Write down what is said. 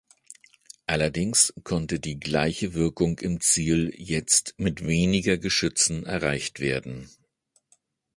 Allerdings konnte die gleiche Wirkung im Ziel jetzt mit weniger Geschützen erreicht werden.